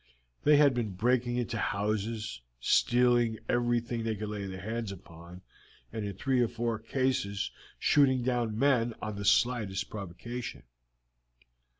They had been breaking into houses, stealing every thing they could lay their hands upon, and in three or four cases shooting down men on the slightest provocation.